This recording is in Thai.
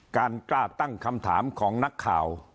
กล้าตั้งคำถามของนักข่าว